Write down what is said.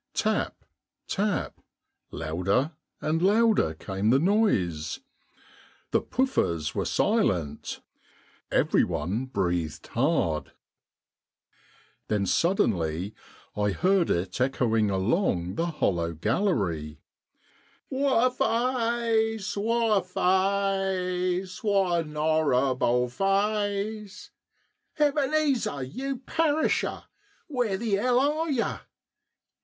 Tap, tap, louder and louder, came the noise. The Pouffers were silent — every one breathed hard. Then suddenly I heard it echoing along the hollow gallery :" What a faice, what a faice, what a norrible faice — Hebeneezer, you perisher ; where the 'ell are you